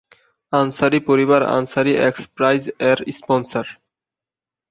আনসারি পরিবার Ansari X prize এর sponsor.